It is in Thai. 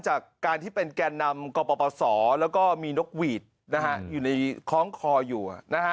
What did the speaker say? จากการที่เป็นแก่นำกปศแล้วก็มีนกหวีดอยู่ในคล้องคออยู่